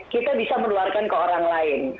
kita bisa menularkan ke orang lain